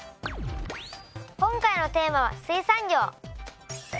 今回のテーマは「水産業」。